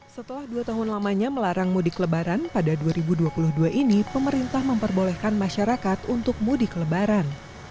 setelah dua tahun lamanya melarang mudik lebaran pada dua ribu dua puluh dua ini pemerintah memperbolehkan masyarakat untuk mudik lebaran